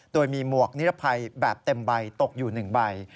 โดยมีหมวกนิรภัยแบบเต็มใบตกอยู่๑ใบ